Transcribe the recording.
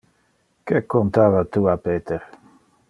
Que contava tu a Peter?